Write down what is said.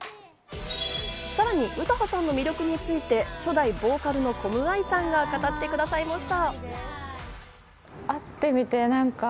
さらに詩羽さんの魅力について初代・ボーカルのコムアイさんが語ってくださいました。